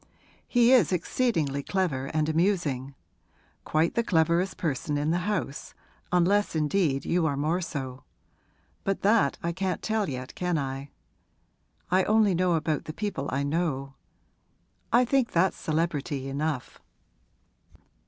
He is exceedingly clever and amusing quite the cleverest person in the house, unless indeed you are more so. But that I can't tell yet, can I? I only know about the people I know; I think that's celebrity enough!'